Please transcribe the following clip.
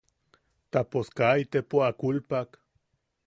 Tapos kaa itepo a kulpak.